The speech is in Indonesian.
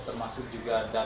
termasuk juga data perusahaan